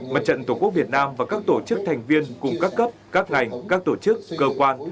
mặt trận tổ quốc việt nam và các tổ chức thành viên cùng các cấp các ngành các tổ chức cơ quan